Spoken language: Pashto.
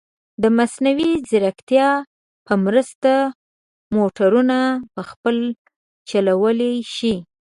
د مصنوعي ځیرکتیا په مرسته، موټرونه په خپله چلولی شي.